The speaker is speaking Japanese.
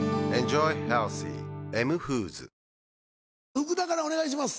福田からお願いします。